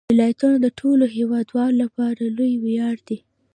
ولایتونه د ټولو هیوادوالو لپاره لوی ویاړ دی.